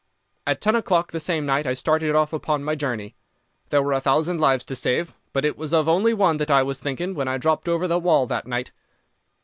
At ten o'clock the same night I started off upon my journey. There were a thousand lives to save, but it was of only one that I was thinking when I dropped over the wall that night.